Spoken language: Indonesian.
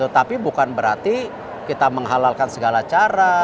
tapi bukan berarti kita menghalalkan segala cara